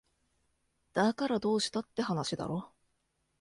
だからどうしたって話だろ